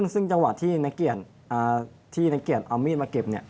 ซึ่งจังหวัดที่นักเกียจเอามีดมาเก็บจ้ะ